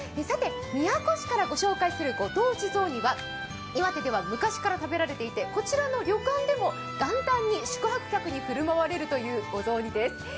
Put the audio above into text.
宮古市から御紹介するご当地雑煮は岩手では昔から食べられていてこちらの旅館でも元旦に宿泊客に振る舞われるというお雑煮です。